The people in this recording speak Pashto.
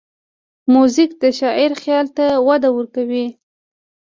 موزیک د شاعر خیال ته وده ورکوي.